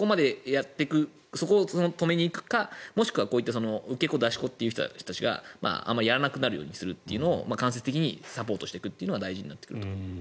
そこを止めに行くかもしくはこういった受け子、出し子という人があまりやらなくようにするのを間接的にサポートするのが大事になってくると。